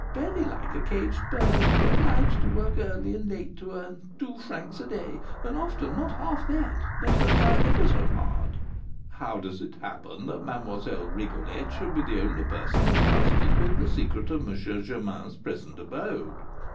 very like a caged bird, obliged to work early and late to earn two francs a day, and often not half that, let her try ever so hard." "How does it happen that Mlle. Rigolette should be the only person entrusted with the secret of M. Germain's present abode?"